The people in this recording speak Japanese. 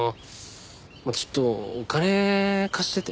まあちょっとお金貸してて。